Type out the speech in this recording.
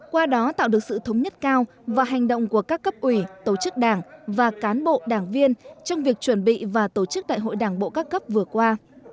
qua đó tạo được sự thống nhất cao và hành động của các cấp ủy tổ chức đảng và cán bộ đảng viên trong việc chuẩn bị và tổ chức đại hội đảng bộ các cấp vừa qua